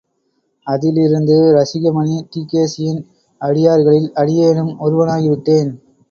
அதிலிருந்து ரசிகமணி டி.கே.சியின் அடியார்களில் அடியேனும் ஒருவனாகிவிட்டேன்.